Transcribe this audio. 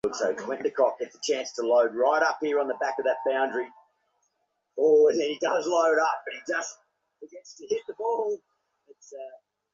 হেই, বেশ, তুমি আমাদের জীবন বাঁচাতে নিয়েছিলে।